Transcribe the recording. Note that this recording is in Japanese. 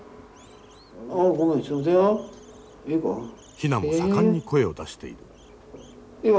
ヒナも盛んに声を出している。